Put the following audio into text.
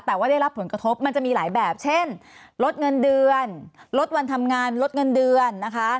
แต่ว่าได้รับผลกระทบมันจะมีหลายแบบเช่นลดเงินเดือนลดวันทำงานลดเงินเดือนนะคะ